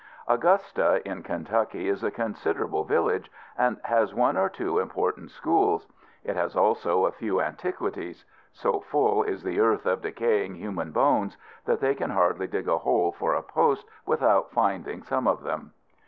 Augusta, in Kentucky, is a considerable village, and has one or two important schools. It has also a few antiquities. So full is the earth of decaying human bones, that they can hardly dig a hole for a post without finding some of them.